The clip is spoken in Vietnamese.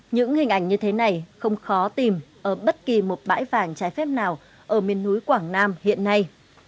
những hình ảnh như thế này không khó tìm ở bất kỳ một bãi vàng trái phép nào ở miền núi quảng nam hiện nay